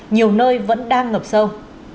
nhiều nơi vẫn đang ngập sâu